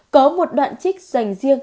có một đoạn trích dành riêng